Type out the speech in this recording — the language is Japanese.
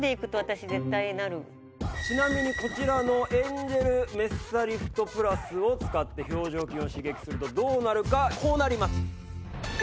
ちなみにこちらのエンジェルメッサリフトプラスを使って表情筋を刺激するとどうなるかこうなります！